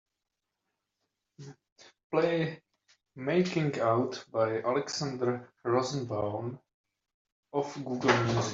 Play Making Out by Alexander Rosenbaum off Google Music.